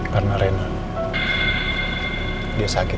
karena reina dia sakit